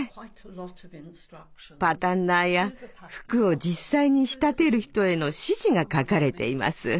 パタンナーや服を実際に仕立てる人への指示が書かれています。